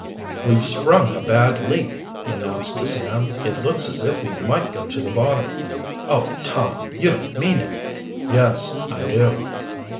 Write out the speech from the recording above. "We've sprung a bad leak," he announced to Sam. "It looks as if we might go to the bottom." "Oh, Tom, you don't mean it!" "Yes, I do."